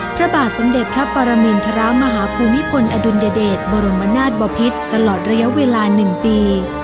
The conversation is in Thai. พระบาทสมเด็จพระปรมินทรมาฮภูมิพลอดุลยเดชบรมนาศบพิษตลอดระยะเวลา๑ปี